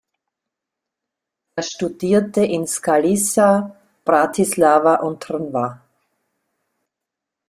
Er studierte in Skalica, Bratislava und Trnava.